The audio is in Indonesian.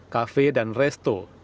kafe dan resmi dan mencari korban tenggelam